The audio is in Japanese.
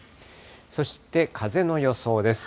そして風の予想です。